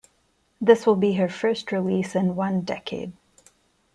This will be her first release in one decade.